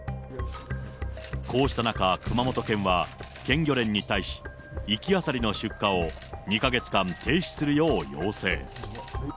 こうした中、熊本県は県漁連に対し、活きアサリの出荷を２か月間、停止するよう要請。